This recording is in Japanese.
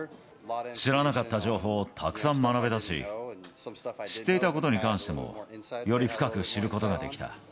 知らなかった情報をたくさん学べたし、知っていたことに関しても、より深く知ることができた。